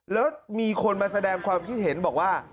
แล้วมีคนมาแสดงความคิดเห็นบอกว่า